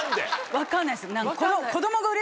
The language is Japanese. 分かんないです。